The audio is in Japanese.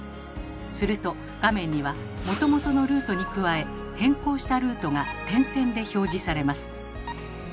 すると画面にはもともとのルートに加え変更したルートが点線で表示されます。